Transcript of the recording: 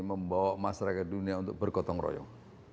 membawa masyarakat dunia untuk bergotong royong